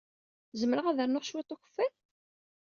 Zemreɣ ad rnuɣ cwiṭ n ukeffay?